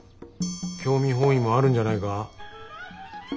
興味本位もあるんじゃないか？